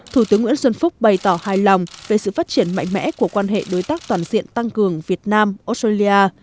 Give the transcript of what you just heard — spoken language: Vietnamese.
thủ tướng nguyễn xuân phúc bày tỏ hài lòng về sự phát triển mạnh mẽ của quan hệ đối tác toàn diện tăng cường việt nam australia